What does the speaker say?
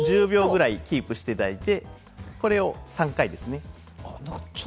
１０秒ぐらいキープしていただいて、これを３回です。